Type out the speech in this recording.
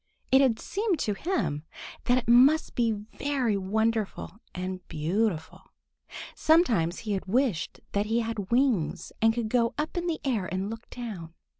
It had seemed to him that it must be very wonderful and beautiful. Sometimes he had wished that he had wings and could go up in the air and look down.